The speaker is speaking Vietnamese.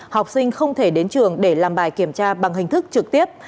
học sinh không thể đến trường để làm bài kiểm tra bằng hình thức trực tiếp